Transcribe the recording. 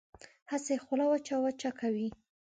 هسې خوله وچه وچه کوي.